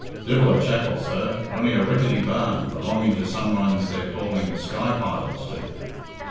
"Divil a chapel, sir, only a rickety barn, belonging to some ones they're calling the Sky Pilots to.